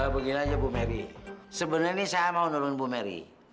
begini aja bu merry sebenarnya ini saya mau nurun bu meri